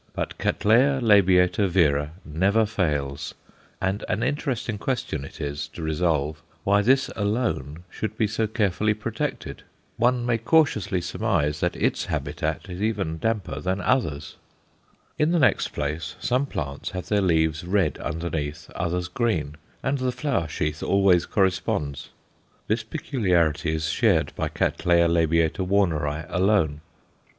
But Cattleya labiata vera never fails, and an interesting question it is to resolve why this alone should be so carefully protected. One may cautiously surmise that its habitat is even damper than others'. In the next place, some plants have their leaves red underneath, others green, and the flower sheath always corresponds; this peculiarity is shared by C. l. Warneri alone.